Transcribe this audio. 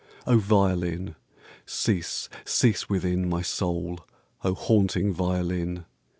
III O violin! Cease, cease within My soul, O haunting violin!